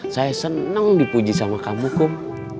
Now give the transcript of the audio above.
saya senang dipuji sama kamu kum